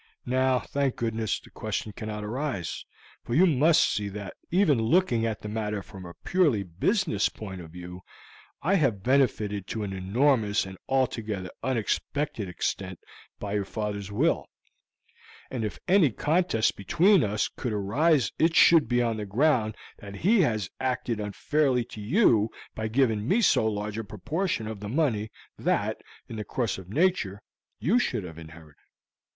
Now, thank goodness, the question cannot arise; for you must see that, even looking at the matter from a purely business point of view, I have benefited to an enormous and altogether unexpected extent by your father's will, and if any contest between us could arise it should be on the ground that he has acted unfairly to you by giving me so large a proportion of the money that, in the course of nature, you should have inherited.